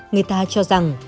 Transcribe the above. người ta cho rằng